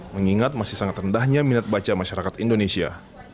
mengingat masih sangat rendahnya minat baca masyarakat indonesia